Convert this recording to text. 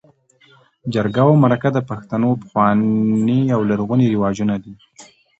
جرګه او مرکه د پښتنو پخواني او لرغوني رواجونه دي.